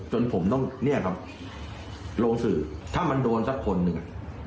จนผมต้องเนี่ยครับลงสื่อถ้ามันโดนสักคนหนึ่ง